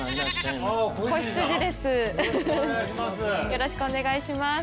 よろしくお願いします。